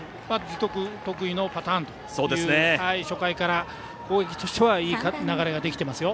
樹徳の得意のパターンで初回から、攻撃としてはいい流れができていますよ。